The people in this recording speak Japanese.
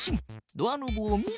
ドアノブを見る。